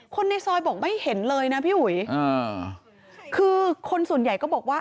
คนในซอยบอกไม่เห็นเลยนะพี่อุ๋ยอ่าคือคนส่วนใหญ่ก็บอกว่า